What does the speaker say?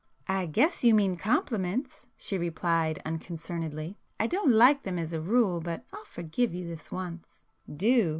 "I guess you mean compliments,"—she replied unconcernedly—"I don't like them as a rule, but I'll forgive you this once!" "Do!"